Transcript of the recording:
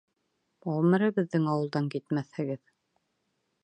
Ғүмере беҙҙең ауылдан китмәҫһегеҙ!